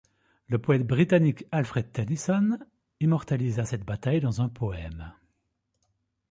Le poète britannique Alfred Tennyson immortalisa cette bataille dans un poème.